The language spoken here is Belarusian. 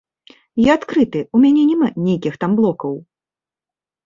Я адкрыты, у мяне няма нейкіх там блокаў.